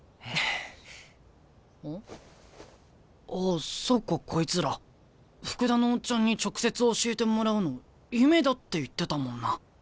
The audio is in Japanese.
あそっかこいつら福田のオッチャンに直接教えてもらうの夢だって言ってたもんな。